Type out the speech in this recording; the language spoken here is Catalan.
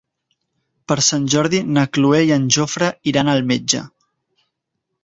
Per Sant Jordi na Cloè i en Jofre iran al metge.